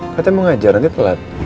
katanya mau ngajar nanti telat